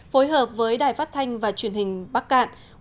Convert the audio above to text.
phối hợp với đài phát thanh và truyền hình bắc cạn